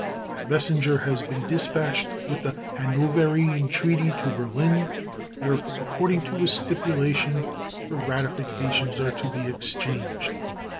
A messenger has been dispatched with the Hanoverian treaty to Berlin, where, according to stipulation, the ratifications are to be exchanged.